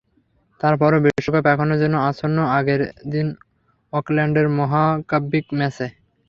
তার পরও বিশ্বকাপ এখনো যেন আচ্ছন্ন আগের দিন অকল্যান্ডের মহাকাব্যিক ম্যাচে।